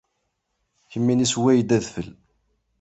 Kemmini sewway-d adfel.